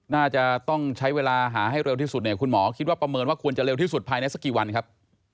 น่าจะต้องใช้เวลาหาให้เร็วที่สุดเนี่ยคุณหมอคิดว่าประเมินว่าควรจะเร็วที่สุดภายในสักกี่วันครับ